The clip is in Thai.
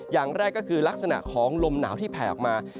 อย่างแรกก็คือลักษณะของลมหนาวที่แผ่ออกมา